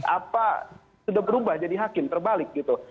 apa sudah berubah jadi hakim terbalik gitu